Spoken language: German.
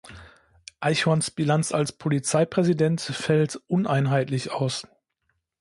Eichhorns Bilanz als Polizeipräsident fällt uneinheitlich aus.